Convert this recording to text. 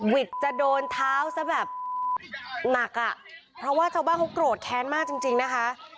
วิทย์จะโดนเท้าซะแบบหนักอ่ะเพราะว่าชาวบ้านเขาโกรธแค้นมากจริงนะคะ